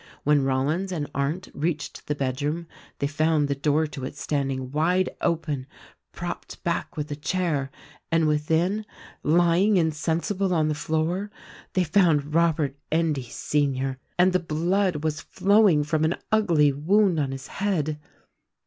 When Rollins and Arndt reached the bedroom they found the door to it standing wide open — propped back with a chair — and within, lying insensible on the floor, they found Robert Endy, Senior, and the blood was flowing from an ugly wound on his head.